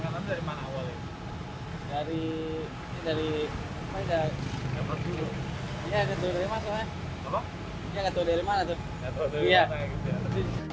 gorengan dari mana saja gitu belum pernah dengar dari dari